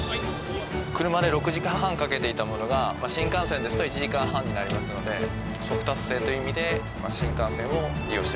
車で６時間半かけていたものが新幹線ですと１時間半になりますので速達性という意味で新幹線を利用しております。